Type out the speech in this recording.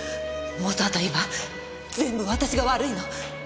元はと言えば全部私が悪いの。